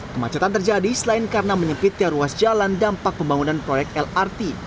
kemacetan terjadi selain karena menyempitnya ruas jalan dampak pembangunan proyek lrt